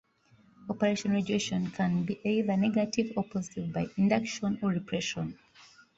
Operon regulation can be either negative or positive by induction or repression.